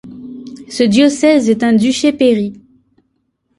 Ce diocèse est un duché-pairie.